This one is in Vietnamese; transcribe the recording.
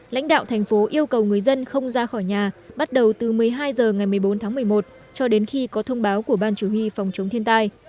lãnh đạo thành phố yêu cầu người dân không ra khỏi nhà bắt đầu từ một mươi hai h ngày một mươi bốn tháng một mươi một cho đến khi có thông báo của ban chủ huy phòng chống thiên tai